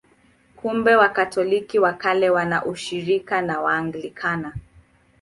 Kumbe Wakatoliki wa Kale wana ushirika na Waanglikana.